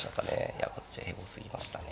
いやこっちへぼすぎましたね。